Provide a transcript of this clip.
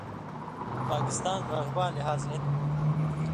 پاکستان رقباں لحاظ ہِن